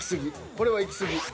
これはいき過ぎ。